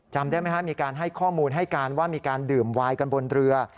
จำได้ไหมครับมีการให้ข้อมูลให้การว่ามีการดื่มวายกันบนเรือ